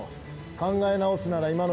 考え直すなら今のうちだ。